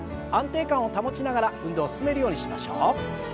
安定感を保ちながら運動を進めるようにしましょう。